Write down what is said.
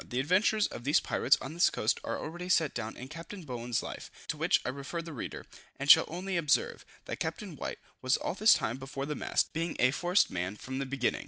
The adventures of these pirates on this coast are already set down in Captain Bowen's life, to which I refer the reader, and shall only observe, that Captain White was all this time before the mast, being a forced man from the beginning.